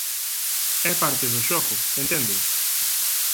_É parte do xogo, enténdeo.